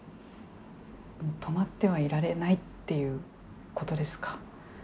止まってはいられないっていうことですか。